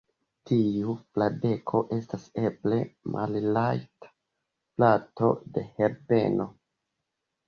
Tiu Fradeko estas eble malrajta frato de Herbeno.